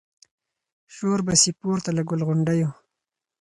شور به سي پورته له ګل غونډیو